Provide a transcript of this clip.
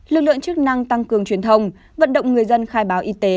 lực lượng chức năng tăng cường truyền thông vận động người dân khai báo y tế